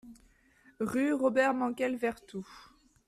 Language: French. Rue Robert Mankel, Vertou